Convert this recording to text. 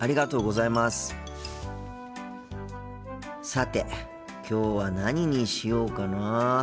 さてきょうは何にしようかな。